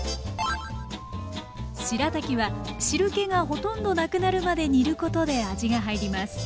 しらたきは汁けがほとんどなくなるまで煮ることで味が入ります。